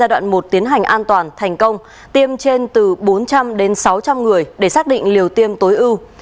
giai đoạn một tiến hành an toàn thành công tiêm trên từ bốn trăm linh đến sáu trăm linh người để xác định liều tiêm tối ưu